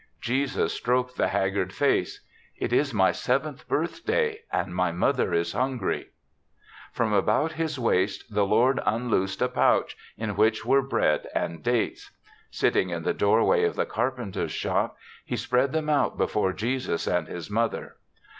Jesus stroked the haggard face. " It is my seventh birthday, and my mother is hungry." From about his waist the lord un loosed a pouch in which were bread and dates. Sitting in the doorway of the carpenter's shop, he spread them out before Jesus and his mother.